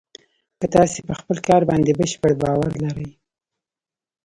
که تاسې په خپل کار باندې بشپړ باور لرئ